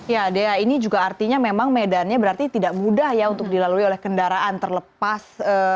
ya dea ini juga artinya memang medannya berarti tidak mudah ya untuk dilalui oleh kendaraan terlepas